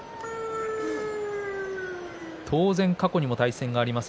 当然、過去にも対戦があります。